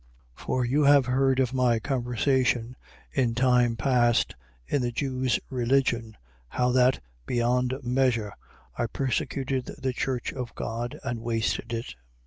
1:13. For you have heard of my conversation in time past in the Jews' religion: how that, beyond measure, I persecuted the church of God and wasted it.